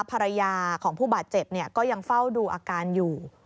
ภรรยาของผู้บาดเจ็บก็ยังเฝ้าดูอาการอยู่